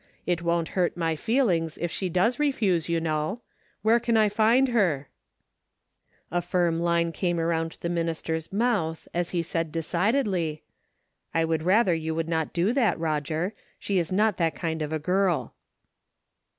It won't hurt my feel ings, if she does refuse, you know. Where can I find her ?" A firm line came around the minister's mouth, as he said, decidedly, " I would rather you would not do that, Eoger. She is not that kind of a girl."